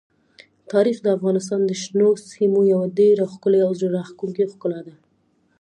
تاریخ د افغانستان د شنو سیمو یوه ډېره ښکلې او زړه راښکونکې ښکلا ده.